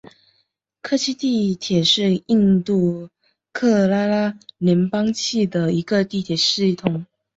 科契地铁是印度喀拉拉邦科契的一个地铁系统。